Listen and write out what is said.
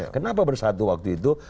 kenapa bersatu waktu itu